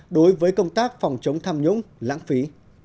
đối với công tác phòng chống tham nhũng lãng phí